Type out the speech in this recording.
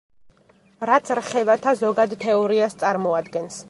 რაც რხევათა ზოგად თეორიას წარმოადგენს.